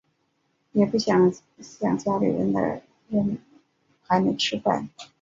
也不想想家里的人还没吃饭